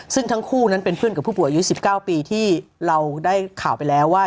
ซึ่งทั้งคู่นั้นเป็นเพื่อนกับผู้ป่วยอายุ๑๙ปีที่เราได้ข่าวไปแล้วว่า